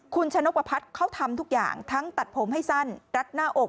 คุณชะนกประพัฒน์เขาทำทุกอย่างทั้งตัดผมให้สั้นรัดหน้าอก